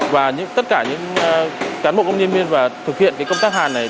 và tất cả các công nhân viên thực hiện công tác hàn này